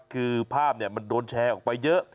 คือภาพมันโดนแชร์ออกไปเยอะ